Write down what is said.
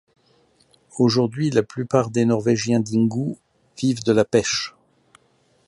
Aujourd'hui, la plupart des Norvégiens d'Ingø, vivent de la pêche.